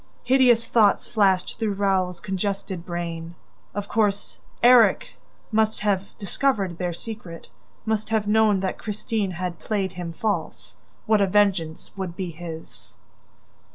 ..." Hideous thoughts flashed through Raoul's congested brain. Of course, Erik must have discovered their secret, must have known that Christine had played him false. What a vengeance would be his!